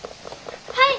はい！